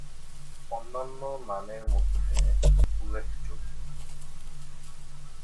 অন্যান্য নামের মধ্যে উল্লেখযোগ্য।